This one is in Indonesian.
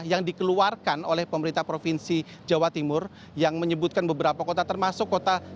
yang dikeluarkan oleh pemerintah provinsi jawa timur yang menyebutkan beberapa kota termasuk kota